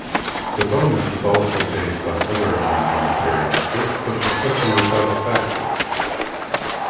The bonus is also based on other non monetary metrics, such as customer satisfaction.